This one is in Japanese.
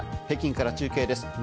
北京から中継です。